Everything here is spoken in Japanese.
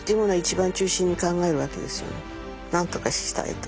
何とかしたいと。